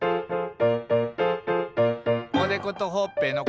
「おでことほっぺのことでした」